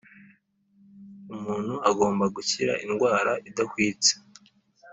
umuntu agomba gukira indwara idahwitse.